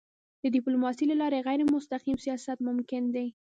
د ډيپلوماسی له لارې غیرمستقیم سیاست ممکن دی.